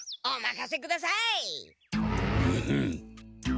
おまかせください！